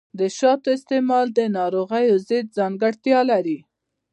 د شاتو استعمال د ناروغیو ضد ځانګړتیا لري.